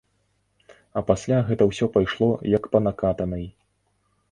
А пасля гэта ўсё пайшло як па накатанай.